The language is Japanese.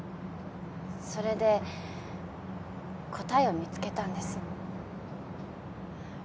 それで答えを見つけたんです。